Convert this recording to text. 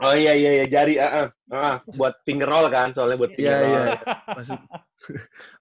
oh iya iya jari buat finger roll kan soalnya buat finger roll